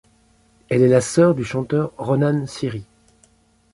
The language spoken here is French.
Elle est la sœur du chanteur Ronan Siri.